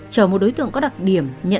trở một đối tượng có đặc điểm nhận ra